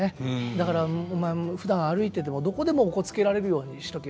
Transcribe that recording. だからお前ふだん歩いててもどこでもおこつけられるようにしとけ。